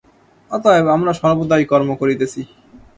অতএব আমরা সর্বদাই কর্ম করিতেছি।